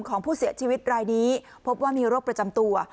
ของผู้เสียชีวิตรายนี้พบว่ามีโรคประจำตัว